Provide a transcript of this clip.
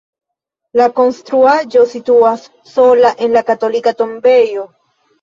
La konstruaĵo situas sola en la katolika tombejo.